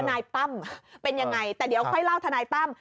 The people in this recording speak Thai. นายตั้มเป็นยังไงแต่เดี๋ยวค่อยเล่าทนายตั้ม